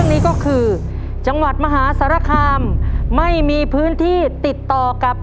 จะได้สินเลือกกุญแจเพื่อไปลุ้นไขตู้โบนัสจำนวน๔ตู้ด้วยกันนะครับ